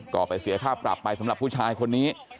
ก็ไปเสียค่าปรับไปสำหรับผู้ชายคนนี้